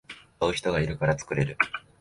買う人がいるから作られる